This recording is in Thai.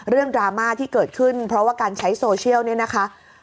ดราม่าที่เกิดขึ้นเพราะว่าการใช้โซเชียลเนี่ยนะคะ